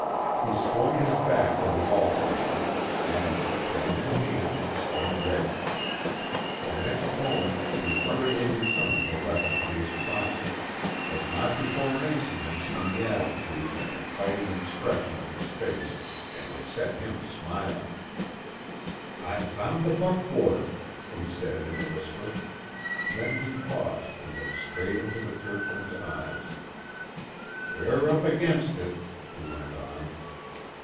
He swung his back to the wall again, and, gun in hand, stood ready. The next moment he hurriedly returned the weapon to his pocket, but not before Mason had seen the attitude and the fighting expression of his face, and it set him smiling. "I've found the buckboard," he said in a whisper. Then he paused and looked straight into the churchman's eyes. "We're up against it," he went on.